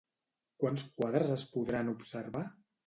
Quants quadres es podran observar?